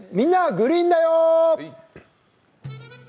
グリーンだよ」。